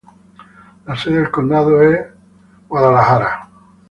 La sede del condado es Charlotte Court House.